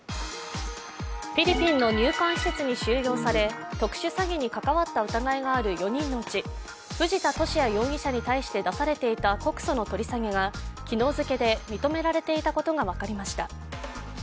フィリピンの入管施設に収容され特殊詐欺に関わった疑いがある４人のうち藤田聖也容疑者に対して出されていた告訴の取り下げが昨日付で認められていたことが分かりました。